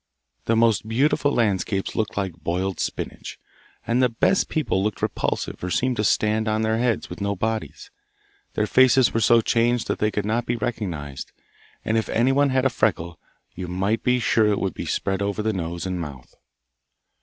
The most beautiful landscapes looked like boiled spinach, and the best people looked repulsive or seemed to stand on their heads with no bodies; their faces were so changed that they could not be recognised, and if anyone had a freckle you might be sure it would be spread over the nose and mouth.